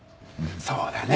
そうだね。